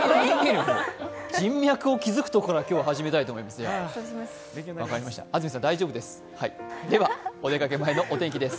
人脈を築くところから今日は始めたいと思います。